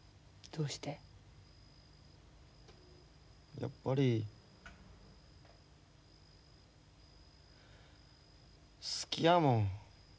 やっぱり好きやもん。